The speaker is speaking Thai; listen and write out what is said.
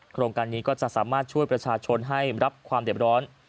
โครงการนี้ก็จะสามารถช่วยประชาชนให้รับความเด็บร้อน